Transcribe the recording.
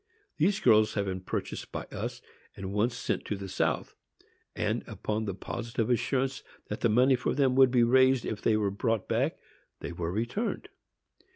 These girls have been purchased by us, and once sent to the south; and, upon the positive assurance that the money for them would be raised if they were brought back, they were returned.